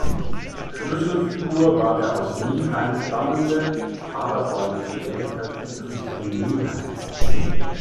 Schlüsselfigur war der aus Nieheim stammende Paderborner Kleriker Dietrich von Nieheim.